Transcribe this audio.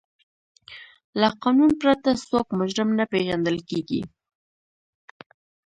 له قانون پرته څوک مجرم نه پیژندل کیږي.